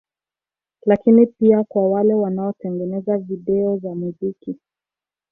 Lakini pia kwa wale wanaotengeneza Video za muziki